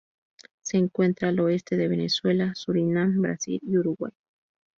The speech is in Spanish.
Se encuentra al oeste de Venezuela, Surinam, Brasil y Uruguay.